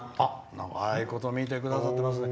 長いこと、見てくださってますね。